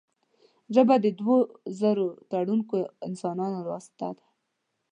ژبه د دوو زړه تړونکو انسانانو واسطه ده